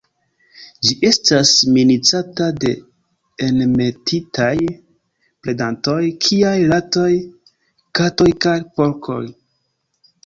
Ĝi estas minacata de enmetitaj predantoj kiaj ratoj, katoj kaj porkoj.